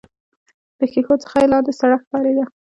له ښيښو څخه يې لاندې سړک ښکارېده.